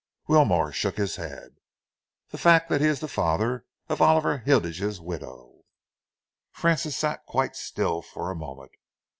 Wilmore shook his head. "The fact that he is the father of Oliver Hilditch's widow." Francis sat quite still for a moment.